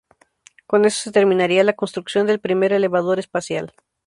Con eso se terminaría la construcción del primer elevador espacial.